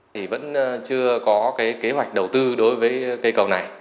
thì vẫn chưa có cái kế hoạch đầu tư đối với cây cầu này